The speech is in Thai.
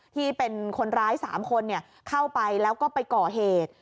ที่เป็นคนร้าย๓คนเข้าไปแล้วก็ไปก่อเหตุ